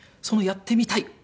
その「やってみたい！」